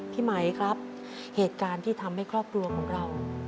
พี่ไหมครับเหตุการณ์ที่ทำให้ครอบครัวของเรา